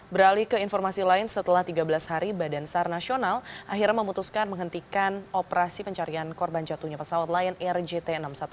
beralih ke informasi lain setelah tiga belas hari badan sar nasional akhirnya memutuskan menghentikan operasi pencarian korban jatuhnya pesawat lion air jt enam ratus sepuluh